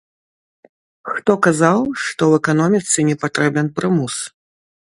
Хто казаў, што ў эканоміцы не патрэбен прымус?